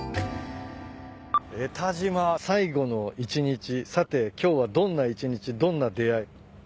「江田島最後の一日さて今日はどんな一日どんな出会い」